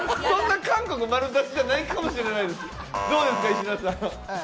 そんな韓国丸出しじゃないかもしれないです。